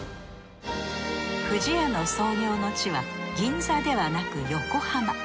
不二家の創業の地は銀座ではなく横浜。